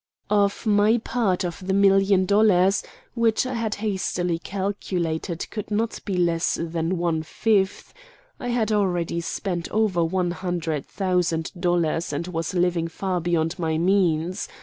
Of my part of the million dollars, which I had hastily calculated could not be less than one fifth, I had already spent over one hundred thousand dollars and was living far beyond my means.